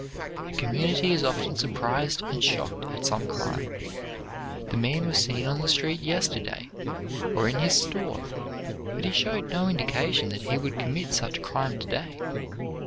'" A community is often surprised and shocked at some crime. The man was seen on the street yesterday, or in his store, but he showed no indication that he would commit such crime to day.